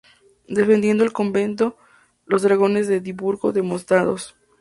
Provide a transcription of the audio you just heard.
Defendiendo el convento, los Dragones de Edimburgo desmontados.